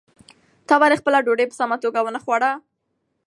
تا ولې خپله ډوډۍ په سمه توګه ونه خوړه؟